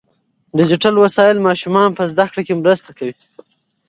ډیجیټل وسایل ماشومان په زده کړه کې مرسته کوي.